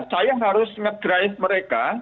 saya harus ngedrive mereka